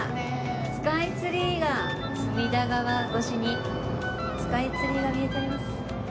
スカイツリーが隅田川越しにスカイツリーが見えております。